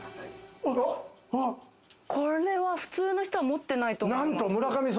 これは普通の人は持ってないと思う。